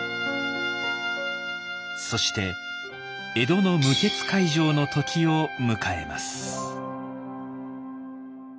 そして江戸の無血開城の時を迎えます。